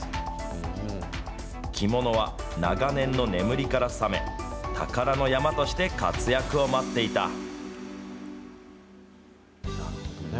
着物は長年の眠りから覚め、宝の山として活躍を待っていた。